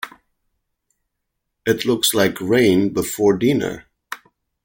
It looks like rain before dinner.